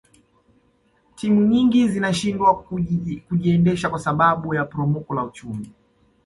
timu nyingi zinashindwa kujiendesha kwa sababu ya poromoko la uchumi